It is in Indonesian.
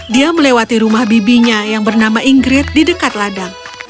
dia melewati rumah bibinya yang bernama ingrit di dekat ladang